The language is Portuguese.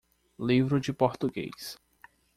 Livro de Português.